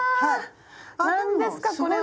キャ何ですかこれは。